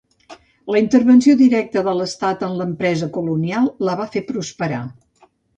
La intervenció directa de l'estat en l'empresa colonial la va fer prosperar.